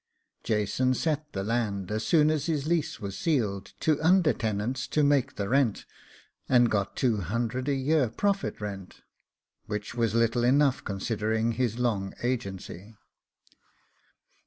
Jason set the land, as soon as his lease was sealed, to under tenants, to make the rent, and got two hundred a year profit rent; which was little enough considering his long agency.